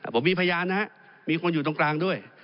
ผมมีพยานนะครับมีคนอยู่ตรงกลางด้วย